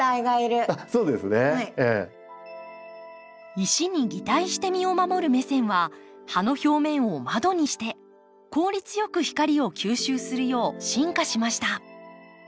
石に擬態して身を守るメセンは葉の表面を窓にして効率よく光を吸収するよう進化しました。